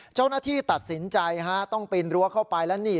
เจ้าหน้าที่ตัดสินใจฮะต้องปีนรั้วเข้าไปแล้วนี่